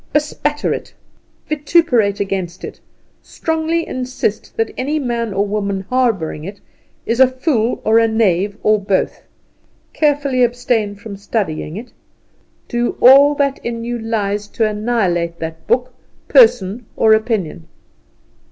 Bespatter it, vituperate against it, strongly insist that any man or woman harbouring it is a fool or a knave, or both. Carefully abstain from studying it. Do all that in you lies to annihilate that book, person, or opinion.